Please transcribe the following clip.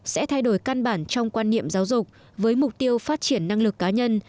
sẽ thay đổi căn bản trong quan niệm giáo dục với mục tiêu phát triển năng lực cá nhân